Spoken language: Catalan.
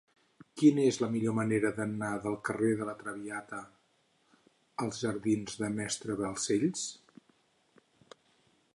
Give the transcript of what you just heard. Quina és la millor manera d'anar del carrer de La Traviata als jardins del Mestre Balcells?